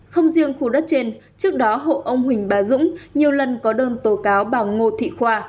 không riêng khu đất trên trước đó hộ ông huỳnh bà dũng nhiều lần có đơn tố cáo bà ngô thị khoa